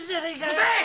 うるさい！